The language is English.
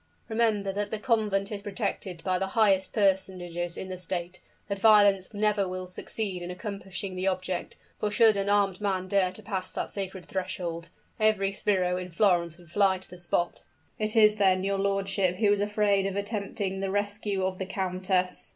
"Remember that the convent is protected by the highest personages in the state that violence never will succeed in accomplishing the object for should an armed man dare to pass that sacred threshold, every sbirro in Florence would fly to the spot " "It is, then, your lordship who is afraid of attempting the rescue of the countess!"